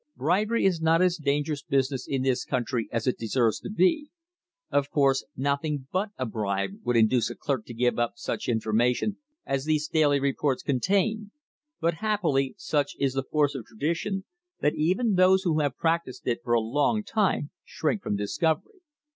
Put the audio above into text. Bribery is not as dangerous business in this country as it deserves to be of course noth ing but a bribe would induce a clerk to give up such informa tion as these daily reports contain but, happily, such is the force of tradition that even those who have practised it for a long time shrink from discovery.